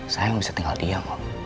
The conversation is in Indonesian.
saya gak bisa tinggal diam om